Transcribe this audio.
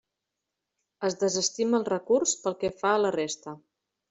Es desestima el recurs pel que fa a la resta.